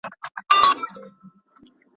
دېوال نم زړوي خو انسان غم زړوي.